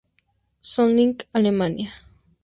Solingen, Alemania.